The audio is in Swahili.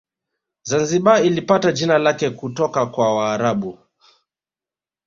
Zanzibar ilipata jina lake kutoka kwa waarabu